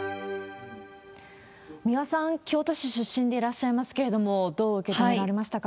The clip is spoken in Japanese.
三輪さん、京都市出身でいらっしゃいますけれども、どう受け止められましたか？